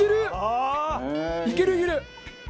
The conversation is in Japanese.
いけるいける！